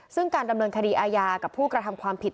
ซึ่งการดำเนินคดีอาญากับผู้กระทำความผิด